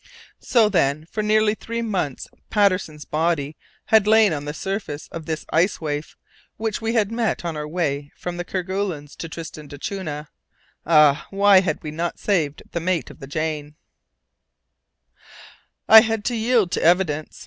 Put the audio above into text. So then for nearly three months Patterson's body had lain on the surface of this ice waif which we had met on our way from the Kerguelens to Tristan d'Acunha! Ah! why had we not saved the mate of the Jane! I had to yield to evidence.